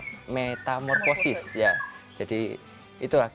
kesempatan kita bisa memperbaiki kaos ini karena kita sudah memiliki kecebong